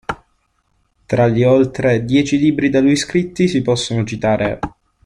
Tra gli oltre dieci libri da lui scritti, si possono citare